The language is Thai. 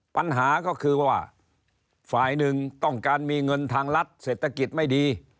ปัญหาก็คือว่าฝ่ายหนึ่งต้องการมีเงินทางรัฐเศรษฐกิจไม่ดี